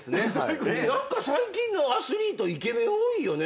何か最近のアスリートイケメン多いよね。